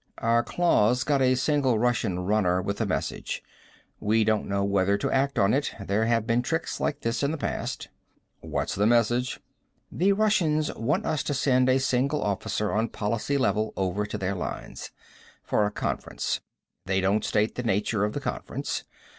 "Our claws got a single Russian runner with a message. We don't know whether to act on it there have been tricks like this in the past." "What's the message?" "The Russians want us to send a single officer on policy level over to their lines. For a conference. They don't state the nature of the conference.